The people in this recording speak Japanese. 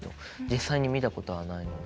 実際に見たことはないので。